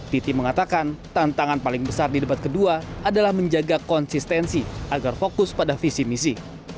titi mengatakan tantangan paling besar di debat kedua adalah menjaga konsistensi agar fokus pada visi misi